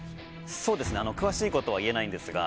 そうですね詳しいことは言えないんですが。